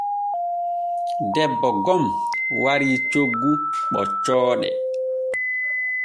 Debbo gom warii coggu ɓoccooɗe.